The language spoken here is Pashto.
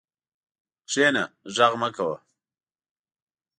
کښېنه، غږ مه کوه.